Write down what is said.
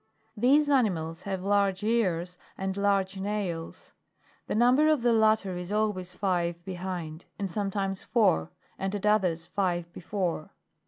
These animals have large ears, and large nails; the number of the latter is always five behind; and sometimes four, and at others, five before.